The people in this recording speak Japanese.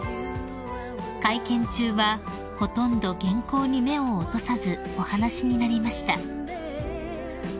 ［会見中はほとんど原稿に目を落とさずお話しになりました］